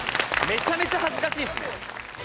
めちゃめちゃ恥ずかしいですね。